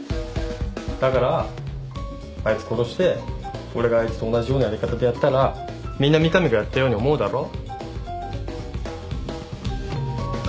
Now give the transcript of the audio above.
だからあいつ殺して俺があいつと同じようなやり方でやったらみんな三上がやったように思うだろう？